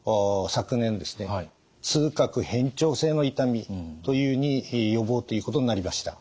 痛覚変調性の痛みというふうに呼ぼうということになりました。